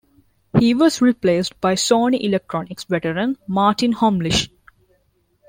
He was replaced by Sony Electronics veteran Martin Homlish.